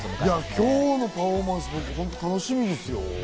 今日のパフォーマンス、楽しみですよ。